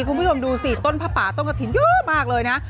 คุณผู้ชมดูสิต้นผ้าป่าต้นกระถิ่นเยอะมากเลยนะ